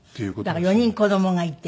だから４人子供がいて。